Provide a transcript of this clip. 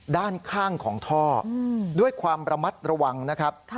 ด้านข้างของท่อด้วยความระมัดระวังนะครับ